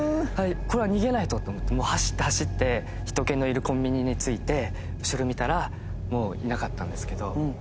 これは逃げないとって思ってもう走って走って人けのいるコンビニに着いて後ろ見たらもういなかったんですけど。